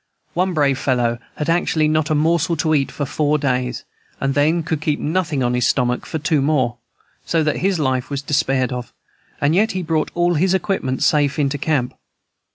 One brave fellow had actually not a morsel to eat for four days, and then could keep nothing on his stomach for two days more, so that his life was despaired of; and yet he brought all his equipments safe into camp.